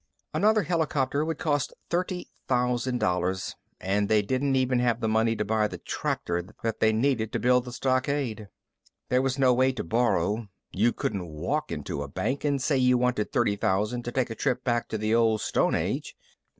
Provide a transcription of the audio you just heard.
Another helicopter would cost thirty thousand dollars and they didn't even have the money to buy the tractor that they needed to build the stockade. There was no way to borrow. You couldn't walk into a bank and say you wanted thirty thousand to take a trip back to the Old Stone Age.